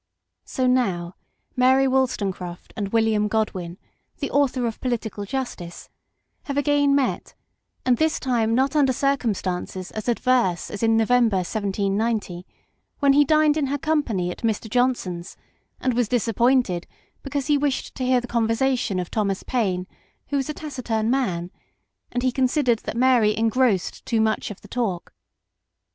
So now Mary Wollstonecraft and William Godwin, the author of Political Justice, have again met, and this time not under circumstances as adverse as iu November 1790, when he dined in her company at Mr. Johnson's, and was disappointed because he wished to hear the conversation of Thomas Paine, who was a taciturn man, and he considered that Mary engrossed too much of the talk.